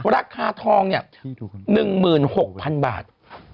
ราคาทองเนี่ย๑๖๐๐๐บาท